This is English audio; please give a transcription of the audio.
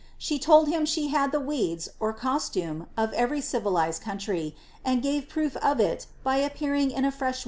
She told him slie had the weeds (costume) ery civilized country, and gave proof of it by appearing in a fresh